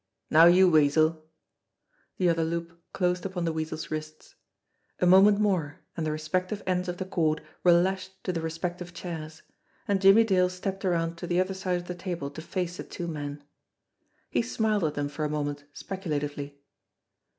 "Now you, Weasel !" The other loop closed upon the Weasel's wrists. A mo ment more, and the respective ends of the cord were lashed to the respective chairs, and Jimmie Dale stepped around to the other side of the table to face the two men. He smiled at them for a moment speculatively.